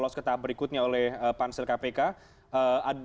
yang artinya cmpr diselesaikan dari kepulauan udin